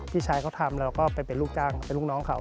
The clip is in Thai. พี่ชายเขาทำแล้วก็ไปเป็นลูกจ้างเป็นลูกน้องเขา